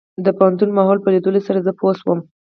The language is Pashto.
د پوهنتون ماحول په ليدلو سره زه پوه شوم.